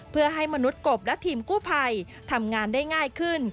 เพื่อให้มนุษย์กบและทีมกู้ภัยทำงานได้ง่ายขึ้น